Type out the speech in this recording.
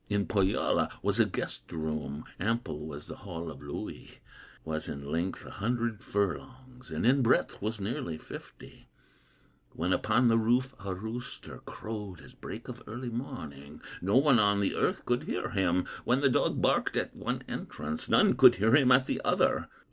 In Pohyola was a guest room, Ample was the hall of Louhi, Was in length a hundred furlongs, And in breadth was nearly fifty; When upon the roof a rooster Crowed at break of early morning, No one on the earth could hear him; When the dog barked at one entrance, None could hear him at the other.